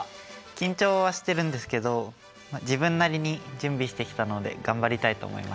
緊張はしてるんですけど自分なりに準備してきたので頑張りたいと思います。